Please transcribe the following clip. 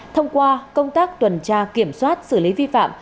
thông qua công tác tuần tra kiểm soát xử lý vi phạm